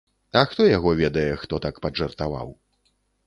А хто яго ведае, хто так паджартаваў.